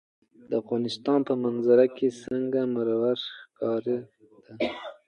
د افغانستان په منظره کې سنگ مرمر ښکاره ده.